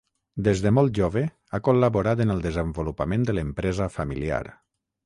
Des de molt jove ha col·laborat en el desenvolupament de l'empresa familiar.